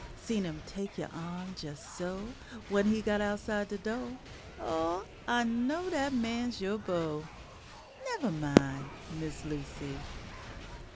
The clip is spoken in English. Seen him tek you' arm jes' so, When he got outside de do' Oh, I know dat man's yo' beau! Nevah min', Miss Lucy.